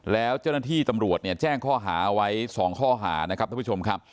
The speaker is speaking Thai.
แล้วเจ้าหน้าที่ตำรวจเนี่ยแจ้งข้อหาไว้๒ข้อหานะครับท่านผู้ชมครับ